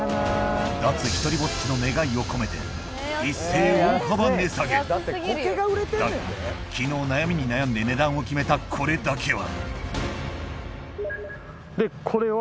脱独りぼっちの願いを込めて一斉大幅値下げだが昨日悩みに悩んで値段を決めたこれだけはこれは。